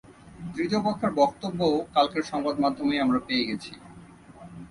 তৃতীয় পক্ষের বক্তব্যও কালকের সংবাদমাধ্যমেই আমরা পেয়ে গেছি।